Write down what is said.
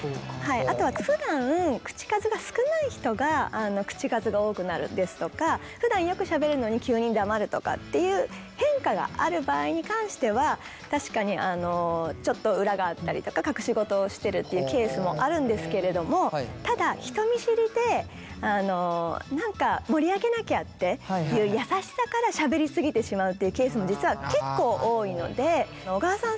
あとはふだん口数が少ない人が口数が多くなるですとかふだんよくしゃべるのに急に黙るとかっていう変化がある場合に関しては確かにちょっと裏があったりとか隠し事をしてるっていうケースもあるんですけれどもただ人見知りで何か盛り上げなきゃっていう優しさからしゃべり過ぎてしまうっていうケースも実は結構多いので小川さん